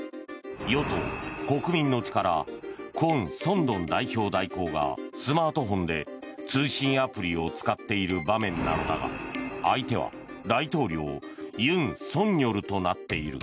与党・国民の力クォン・ソンドン代表代行がスマートフォンで通信アプリを使っている場面なのだが相手は大統領尹錫悦となっている。